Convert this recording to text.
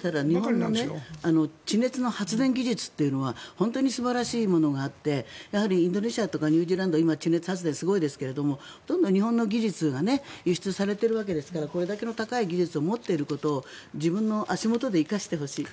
ただ、日本の地熱の発電技術というのは本当に素晴らしいものがあってインドネシアとかニュージーランド今、地熱発電すごいですけどどんどん日本の技術が輸出されているわけですからこれだけの高い技術を持っていることを自分の足元で生かしてほしい。